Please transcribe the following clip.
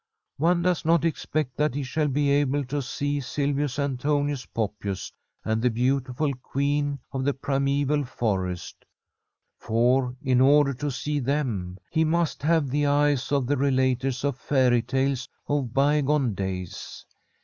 One does not expect that he shall be able to see Silvius An tonius Poppius and the beautiful queen of the primeval forest, for in order to see them he must have the eyes of the relaters of fairy tales of bygone days.